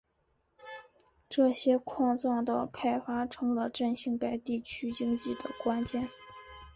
这些矿藏的开发成了振兴该地区经济的关键。